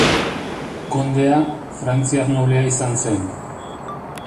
Kondea, frantziar noblea izan zen.